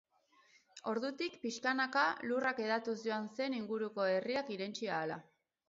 Ordutik pixkanaka lurrak hedatuz joan zen inguruko herriak irentsi ahala.